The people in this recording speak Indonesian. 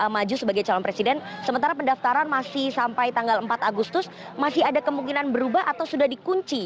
maju sebagai calon presiden sementara pendaftaran masih sampai tanggal empat agustus masih ada kemungkinan berubah atau sudah dikunci